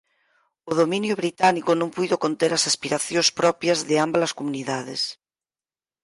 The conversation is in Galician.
O dominio británico non puido conter as aspiracións propias de ambas as comunidades.